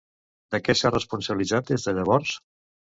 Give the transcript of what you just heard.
De què s'ha responsabilitzat des de llavors?